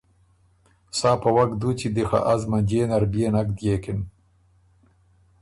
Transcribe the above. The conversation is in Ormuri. سا په وک دُوچی دی خه از منجيې نر بيې نک دئېکِن۔